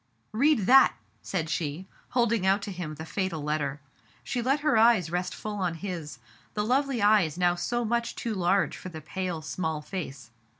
" Read that! " said she, holding out to him the fatal letter. She let her eyes rest full on his — the lovely eyes now so much too large for the pale, small face.